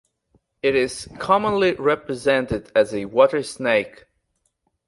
It is commonly represented as a water snake.